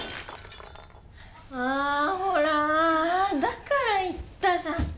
ああほらだから言ったじゃん。